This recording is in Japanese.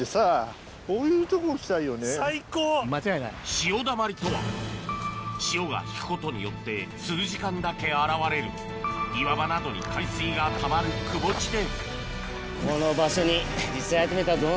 潮だまりとは潮が引くことによって数時間だけ現れる岩場などに海水がたまるくぼ地でＤＡＳＨ